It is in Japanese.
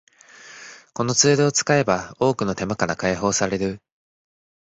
このツールを使えば多くの手間から解放される